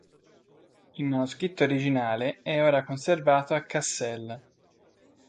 Il manoscritto originale è ora conservato a Kassel.